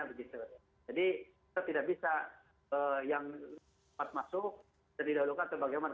jadi kita tidak bisa yang lepas masuk bisa didahulukan atau bagaimana